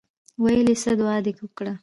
ویل یې څه دعا دې وکړه.